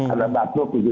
ada batuk gitu